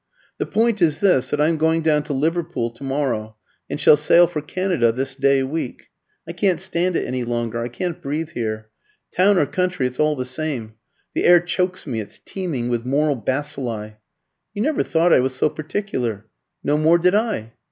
"The point is this, that I'm going down to Liverpool to morrow, and shall sail for Canada this day week. I can't stand it any longer. I can't breathe here. Town or country, it's all the same the air chokes me, it's teeming with moral bacilli. You never thought I was so particular? No more did I